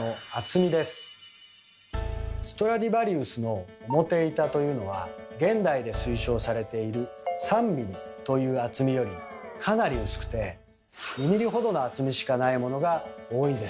ストラディヴァリウスの表板というのは現代で推奨されている３ｍｍという厚みよりかなり薄くて２ｍｍほどの厚みしかないものが多いんです。